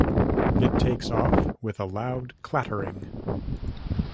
It takes off with a loud clattering.